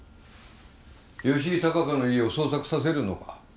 吉井孝子の家を捜索させるのか？